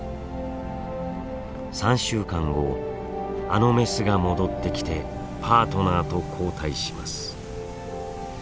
あのメスが戻ってきてパートナーと交代します。